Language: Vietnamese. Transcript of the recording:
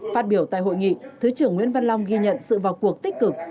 phát biểu tại hội nghị thứ trưởng nguyễn văn long ghi nhận sự vào cuộc tích cực